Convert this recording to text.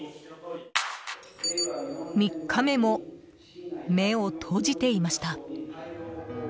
３日目も、目を閉じていました。